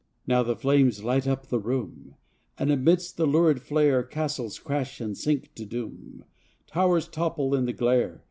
55 Now the flames light up the room, And amidst the lurid flare, Castles crash and sink to doom, Towers topple in the glare.